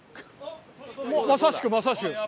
まさしくまさしく。